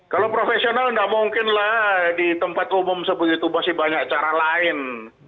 kalau profesional tidak mungkinlah di tempat umum sebegitu masih banyak cara lakuin